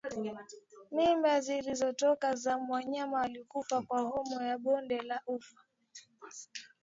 Mimba zilizotoka za wanyama waliokufa kwa homa ya bonde la ufa